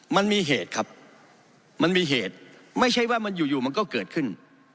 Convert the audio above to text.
มันมีเหตุครับมันมีเหตุไม่ใช่ว่ามันอยู่มันก็เกิดขึ้น